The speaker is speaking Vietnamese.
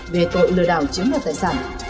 về tội lừa đảo chiếm đoạt tài sản